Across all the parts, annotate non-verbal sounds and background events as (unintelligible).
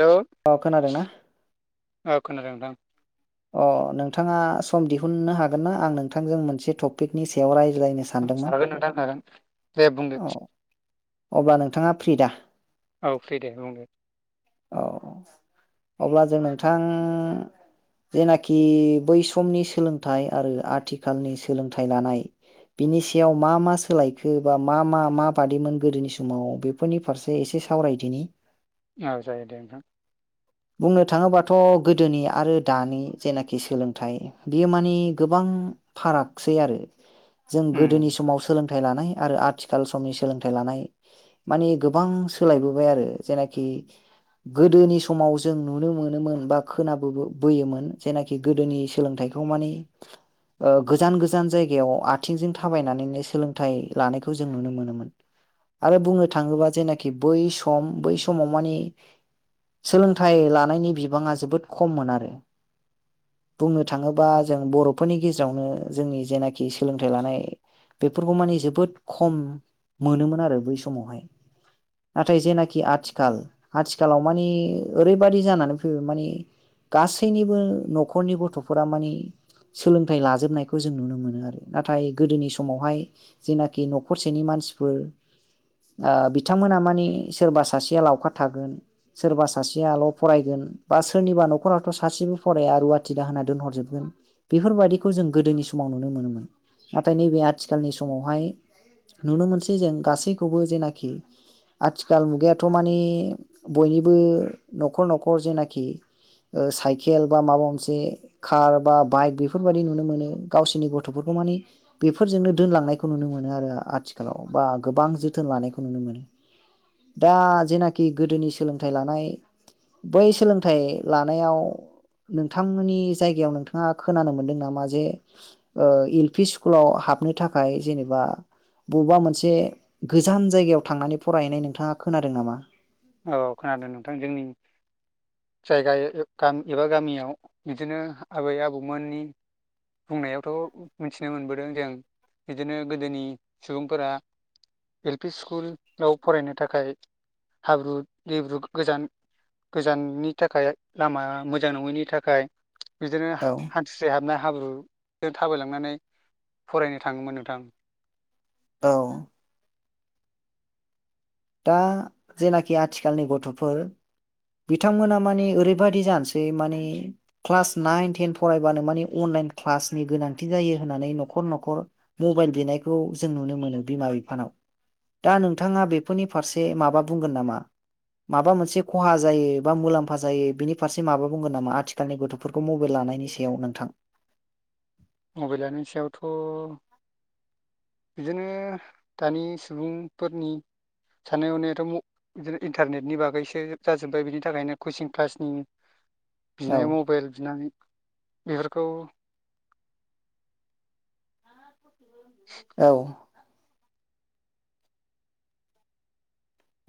Hello औ खोनादों ना? औ खोनादों नोंथां। अ नोंथाङा सम दिहुननो हागोन ना? आं नोंथांजों मोनसे टपिकनि सायाव (unintelligible) सानदोंमोन हागोन नोंथां हागोन। दे बुंदो औ अब्ला नोंथाङा फ्रिदा? औ फ्रि दे बुं दे। औ अब्ला जों नोंथां जेनाखि बै समनि सोलोंथाइ आरो आथिखालनि सोलोंथाइ लानाय बिनि सायाव मा मा सोलायखो? बा मा -मा माबादिमोन गोदोनि समाव, बेफोरनि फारसे एसे सावरायदिनि। औ जायो दे नोंथां। बुंनो थाङोबाथ' गोदोनि आरो दानि जेनाखि सोलोंथाइ बियो मानि गोबां फारागसै आरो। जों गोदोनि उम समाव सोलों थाइ लानाय - आरो आथिखाल समनि सोलोंथाइ लानाय मानि गोबां सोलायबोबाय आरो। जेनाखि गोदोनि समाव जों नुनो मोनोमोन बा खोनाबो बोयोमोन जेनाखि गोदोनि सोलोंथाइखौ मानि ओ गोजान-गोजान जायगायाव आथिंजों थाबायनानैनो सोलोंथाइ लानायखौ जों नुनो मोनोमोन। आरो बुंनो थाङोबा जेनाखि बै सम बै समाव मानि सोलोंथाइ लानायनि बिबाङा जोबोद खममोन आरो। बुंनो थाङोबा जों बर'फोरनि गेजेरावनो जोंनि जेनाखि सोलोंथाइ लानाय बेफोरखौ मानि जोबोद खम मोनोमोन आरो बै समावहाय। नाथाय जेनाखि आथिखाल आथिखालाव मानि ओरैबादि जानानै फैबाय माने गासैनिबो न'खरनि गथ'फोरा मानि सोलोंथाइ लाजोबनायखौ जों नुनो मोनो आरो। नाथाय गोदोनि समावहाय जेना कि नखरसेनि मानसिफोर ओ बिथांमोना माने सोरबा सासेआ लावखार थागोन सोरबा सासेआल' फरायगोन बा सोरनिबा न'खरावथ' सासेबो फराया रुवाथि दाहोना दोनहर जोबगोन बेफोरबायदिखौ जों गोदोनि समाव नुनो मोनोमोन। नाथाय नैबे आथिखालनि समावहाय नुनो मोनसै जों गासैखौबो जेनाखि आथिखाल मुगायाथ मानि बयनिबो न'खर न'खर जेनाखि साइकेल बा माबा मोनसे कार बा बाइक बेफोरबायाददि नुनो मोनो गावसोरनि गथफोरखौ मानि बेफोरजोंनो दोनलांनायखौ नुनो मोनो। आरो आथिखालाव बा गोबां जोथोन लानायखौ नुनो मोनो दा जेनाखि गोदोनि सोलोंथाइ लानाय बै सोलोंथाइ लानायाव नोंथांमोशनि जायगायाव नोंथाङा खोनानो मोनदों नामा जे एल पि स्कुलाव हाबनो थाखाय जेनेबा बबेबा मोनसे गोजान जायगायाव थांनानै फरायहैनाय नोंथाङा खोनादों नामा? औ खोनादों नोंथां जोंनि जायगा एबा गामियाव बिदिनो आबै- आबौमोननि बुंनायावथ' मिथिनो मोनबोदों जों बिदिनो गोदोनि सुबुंफोरा एल पि स्कुलफ्राव फरायनो थाखाय हाब्रु-दैेब्रु गोजान गोजाननि थाखाय लामा मोजां नङैनि थाखाय बिदिनो औ हान्थुसे हाबना हाब्रुजों थाबायलांनानै फरायनो थाङोमोन नोंथां। औ दा जेनाखि आथिखालनि गथ'फोर बिथांमोना मानि ओरैबायाददि जानोसै माने क्लास नाइन टेन फरायबानो माने अनलाइन क्लासनि गोनांथि जायो होननानै न'खर न'खर मबाइल बिनायखौ जों नुनो मोनो बिमा बिफानाव दा नोंथाङा बे - फोरनि फारसे माबा बुंगोन नामा? माबा मोनसे खहा जायो बा मुलाम्फा जायो बिनि फारसे माबा बुंगोन नामा? आथिखालनि गथफोरखौ मबाइल लानायनि सायाव नोंथां? मबाइल लानायनि सायावथ' बिदिनो दानि सुबुंफोरनि साननाय हनायाथ बिदिनो इन्टारनेटनि बागैसो जाजोब्बाय बिनि थाखायनो कचिं क्लासनि औ बिनाय मबाइल बिनाय बेफोरखौ औ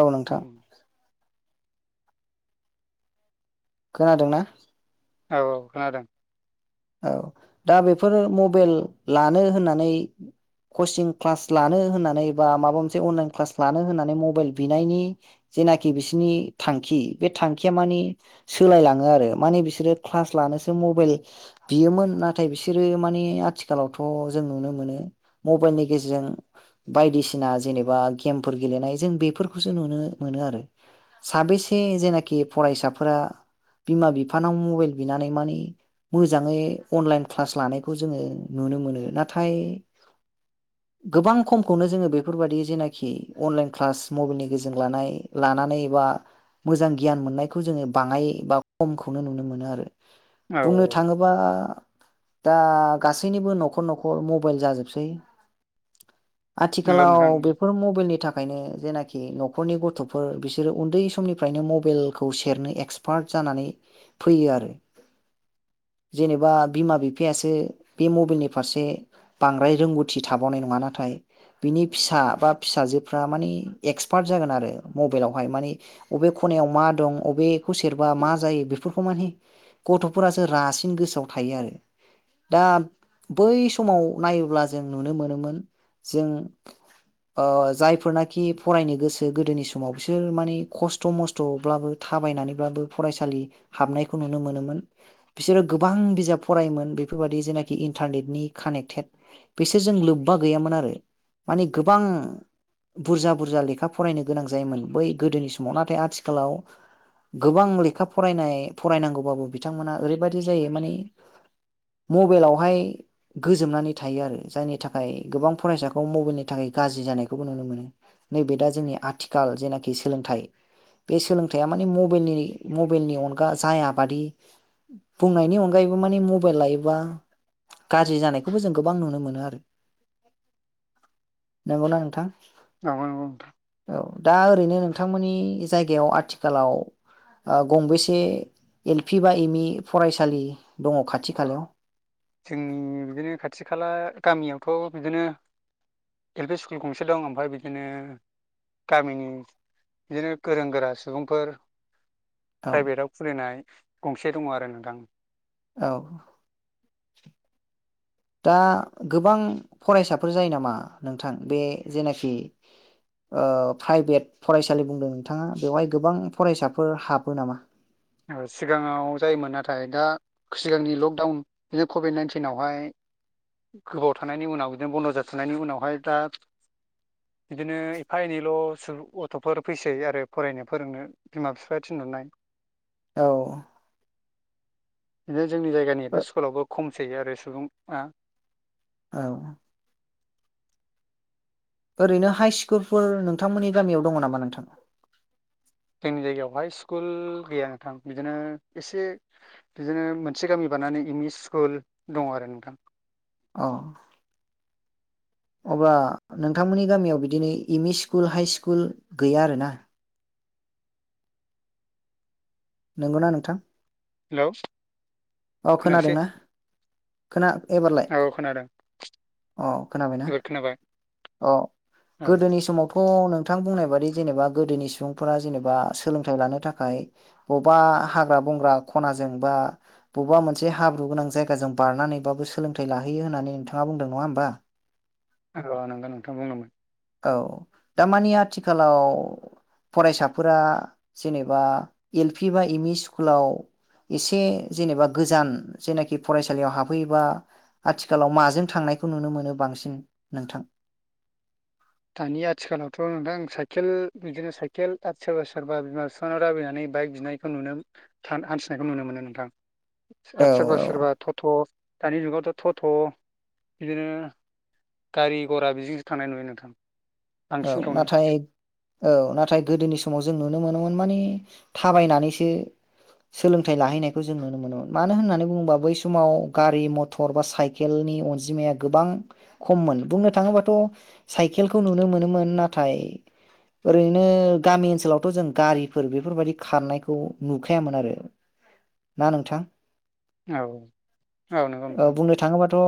औ नोंथां खोनादोंना? औ औ खोनादों। औ दा बेफोरो मबाइल लानो होननानै कचिं क्लास लानो होननानै बा माबा मोनसे अनलाइन क्लास लानो होननानै मबाइल बिनायनि जेनाखि बिसोरनि थांखि बे थांखिया मानि सोलायलाङो आरो मानि बिसोरो क्लास लानोसो मबाइल बियोमोन नाथाय बिसोरो मानिे आथिखालावथ जों नुनो मोनो मबाइलनि गेजेरजों बायदिसिना जेनेबा गेमफोर गेलेनाय जों बेफोरखौसो नुनो मोनो आरो साबेसे जेनाखि फरायसाफोरा बिमा बिफानाव मबाइल बिनानै मानि मोजाङै अनलाइन क्लास लानायखौ जोङो नुनो मोनो नाथाय गोबां खमखौनो जोङो बेफोरबाददि जेनाखि अनलाइन क्लास मबाइलनि गेजेरजों लानाय लानानै बा मोजां गियान मोननायखौ जोङो बाङाय बा खमखौनो नुनो मोनो आरो। औ मा दा गासैनिबो न'खर न'खर मबाइल जाजोबसै। नंगौ आथिखालाव नोंथां नंगौ बेफोर मबाइलनि थाखायनो जेनाखि बे नखरनि गथफोर बिसोरो उन्दै समनिफ्रायनो मबाइलखौ सेरनो एक्सपार्ट जानानै फैयो आरो। जेनेबा बिमा बिफायासो बे मबाइलनि फारसे बांद्राय रोंगौथि थाबावनाय नङा नाथाय बिनि फिसा बा फिसाजोफ्रा मानि एक्सपार्ट जागोन आरो मबाइलावहाय मानि बबे खनायाव मा दं अबेखौ सेरबा मा जायो बेफोरखौ माने गथफोरासो - रासिन गोसोआव थायो आरो दा बै समाव नायोब्ला जों नुनो मोनोमोन जों जायफोरनाखि फरायनो गोसो गोदोनि समाव बिसोर माने खस्थ मस्थब्लाबो थाबायनानैब्लाबो फरायसालि हाबनायखौ नुनो मोनोमोन। बिसोरो गोबां बिजाब फरायोमोन बेफोरबायादि जेनाखि इन्टारनेटनि कानेक्टेड बिसोरजों लोब्बा गैयामोन आरो माने गोबां बुरजा बुरजा लेखा फरायनो गोनां जायोमोन बै गोदोनि समाव नाथाय आथिखालाव गोबां लेखा फरायनाय फरायनांगौबाबो बिथांमोना ओरैबायाददि जायो मानि मबाइलावहाय गोजोबनानै थायो आरो जायनि थाखाय गोबां फरायसाखौ मबाइलनि थाखाय गाज्रि जानायखौबो नुनो मोनो। नैबे दा जोंनि आथिखाल जेनाखि सोलोंथाइ बे सोलोंथाइया मानि मबेलनि मबाइलनि अनगा जाया बादि बुंनायनि अनगायैबो माने मबाइल लायोबा गाज्रि जानायखौबो जों गोबां नुनो मोनो आरो नंगौना नोंथां? नंगौ नंगौ नोंथां औ दा ओरैनो नोंथांमोननि जायगायाव आथिखालाव गंबेसे एल पि बा एम‌ ई फरायसालि दङ खाथि-खालायाव? जोंनि बिदिनो खाथि-खाला गामियावथ बिदिनो एल पि स्कुल गंसे दं ओमफ्राय बिदिनो गामिनि बिदिनो गोरों-गोरा सुबुंफोर औ प्राइभेटआव खुलिनाय गंसे दङ आरो नोंथां, औ दा गोबां फरायसाफोर जायो नामा नोंथां बे जेनाखि ओ प्राइभेट फरायसालि बुंदों नोंथाङा बेवहाय गोबां फरायसाफोर हाबो नामा? सिगाङाव जायोमोन नाथाय दा सिगांनि लकडाउन बिदिनो कभिड नाइनटिनावहाय गोबावाव थानायनि उनाव बिदिनो बन्द जाथनायनि उनावहाय दा बिदिनो एफा एनैल' सु गथ'फोर फैसै आरो फरायनो फोरोंनो बिमा बिफाया थिनहरनाय, औ (unintelligible) जोंनि जायगानि एलपि स्कुलबो खम थैयो आरो सुबुंआ। औ। ओरैनो हाइ स्कुलफोर नोंथांमोननि गामियाव दङ नामा नोंथां? जोंनि जायगायावहाय स्कुल गैया नोंथां बिदिनो एसे बिदिनो मोनसे गामि बारनानै एम ई स्कुल दङ आरो नोंथां। अ अब्ला नोंथांमोननि गामियाव बिदिनो M E school high school गैया आरोना? नंगौना नोंथां? हेलौ। औ खोनादों खोनायासै ना? खोना। एबारलाय औ खोनादों अ खोनाबायना? एबार खोनाबाय अ औ गोदोनि समावथ' नों। थां बुंनाय बादि जेनेबा गोदोनि सुबुंफोरा जेनेबा सोलोंथाइ लानो थाखाय अबेबा हाग्रा बंग्रा खनाजों बा। बबा मोनसे हाब्रु गोनां जायगाजों बारनानैबाबो सोलोंथाइ लाहैयो होननानै नोंथाङा बुंदों नङा होमबा। औ नंगौ नोंथां बुंदोंमोन। औ दामानि आथिखालाव फरायसाफोरा जेनेबा एल पि बा एम ई स्कुलाव एसे। जेनेबा गोजान जेनाखि फरायसालियाव हाबफैयोबा आथिखालाव माजों थांनायखौ नुनो मोनो बांसिन नोंथां? दानि आथिखालावथ' नोंथां साइकेल बिदिनो साइकेल सोरबा सोरबा बिमा बिफानाव दाबिनानै बाइक बिनायखौ नुनो हान्थिनायखौ नुनो मोनो नोंथां। औ आदसा सोरबा औ सोरबा थ'थ'। दानि जुगावथ' थ'थ' बिदिनो गारि घरा बिजोंसो थांनाय नुयो नोंथां। औ बांसिनखौनो नाथाय। औ नाथाय गोदोनि समाव जों नुनो मोनोमोन मानि थाबायनानैसो सोलोंथाइ लाहैनायखौ जों नुनो मोनोमोन मानो होननानै बुङोबा, बै समाव गारि मथर बा साइकेलनि अनजिमाया गोबां खममोन बुंनो थाङोबाथ' साइकेलखौ नुनो मोनो। मोन नाथाय ओरैनो गामि ओनसोलावथ' जों गारिफोर बेफोरबायदि खारनायखौ नुखायामोन आरो ना नोंथां। औ। औ नंगौ ओ नोंथां बुंनो थाङोबाथ'।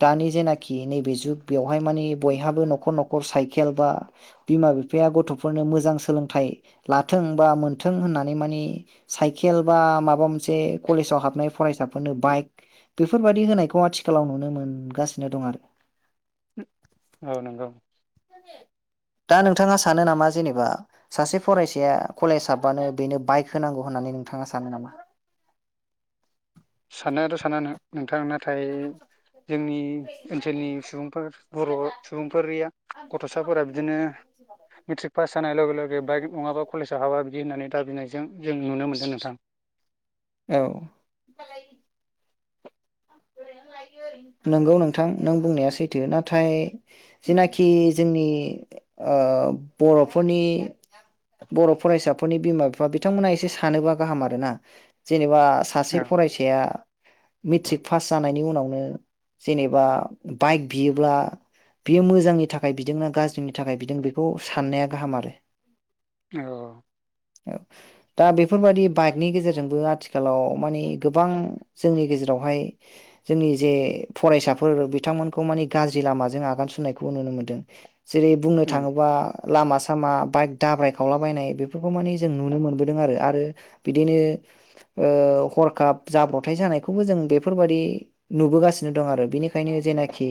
दानि जेनाखि नैबे जुग बेवहाय मानि बयहाबो न'खर न'खर साइकेल बा बिमा बिफाया गथ'फोरनो मोजां सोलोंथाइ लाथों बा मोनथों होननानै मानि साइकेल बा माबा मोनसे कलेजाव हाबनाय फरायसाफोरनो बाइक। बेफोरबाददि होनायखौ आथिखालाव नुनो मोनगासिनो दं आरो। औ नंगौ। दा नोंथाङा सानो नामा? जेनेबा सासे फरायसाया कलेज हाब्बानो बेनो बाइक होनांगौ होननानै नोंथाङा सानो नामा? सान्नायाथ' सानो नोंथां नाथाय। जोंनि ओनसोलनि सुबुंफोर बर' सुबुंफोरिया गथ'साफोरा बिदिनो मेट्रिक पास जानाय लगे-लगे बाइक नङाबा कलेजाव हाबा बिदि होननानै दाबिनाय। जों जों नुनो मोनदों नोंथां। औ। नोंगौ नोंथां नों बुंनाया सैथो नाथाय। जेनाखि जोंनि। ओ फोरनि बर' बर' फरायसाफोरनि बिमा बिफा बिथांमोना एसे सानोबा गाहाम आरो ना जेने बा सासे औ फरायसाया। मिट्रिक। पास जानायनि उनावनो जेनेबा बाइक बियोब्ला बियो मोजांनि थाखाय बिदोंना गाज्रिनि थाखाय बिदों बेखौ साननाया गाहाम आरो। औ। औ दा बेफोरबादि बाइकनि गेजेरजोंबो आथिखालाव मानि गोबां जोंनि गेजेरावहाय। जोंनि जे फरायसाफोर बिथांमोनखौ मानि गाज्रि लामाजों आगान सुरनायखौ नुनो मोनदों। जेरै बुंनो उम थाङोबा लामा सामा बाइक दाब्राय खावलाबायनाय बेफोरखौ माने जों नुनो मोनबोदों आरो आरो बिदिनो हरखाब ओ जाब्रथाय जानायखौबो जों बे बेफोरबायाददि नुबोगासिनो दं आरो बिनिखायनो जेनाखि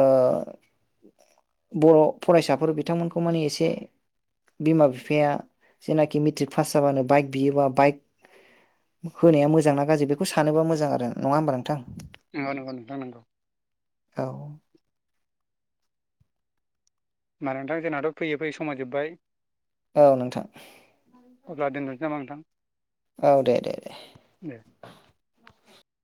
ओ बर' फरायसाफोर बिथांमोनखौ मानि एसे बिमा बिफाया जेनाखि मेट्रिक पास जाबानो बाइक बियोबा बाइक होनाया मोजांना गाज्रि बेखौ सानोबा मोजां आरो नङा होमबा नोंथां नंगौ नंगौ नोंथां नंगौ औ मा नोंथां जोंनाथ' फैयै फैयै समा जोब्बाय औ नोंथां अब्ला दोनथ'नोसै नामा नोंथां औ दे दे दे दे